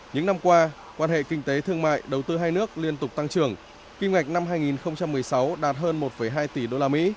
những năm qua quan hệ kinh tế thương mại đầu tư hai nước liên tục tăng trưởng kim ngạch năm hai nghìn một mươi sáu đạt hơn một hai tỷ usd